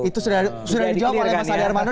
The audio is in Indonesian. itu sudah dijawab oleh mas adi armando